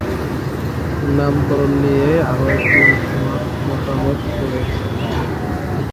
নামকরণ নিয়ে আরো একটি মতামত রয়েছে।